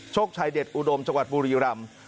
ชายเด็ดอุดมจังหวัดบุรีรำ